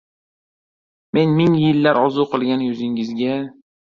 Men ming yillar orzu qilgan yuzingizga